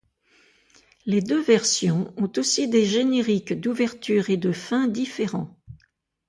Les deux versions ont aussi des génériques d'ouverture et de fin différents.